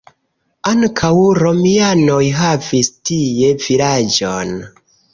Ankaŭ romianoj havis tie vilaĝon.